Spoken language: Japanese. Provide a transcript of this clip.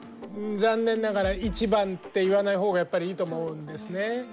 残念ながら一番って言わないほうがやっぱりいいと思うんですね。